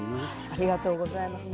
ありがとうございます。